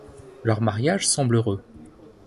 Leur mariage semble heureux.